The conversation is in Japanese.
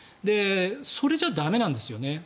それじゃ駄目なんですよね。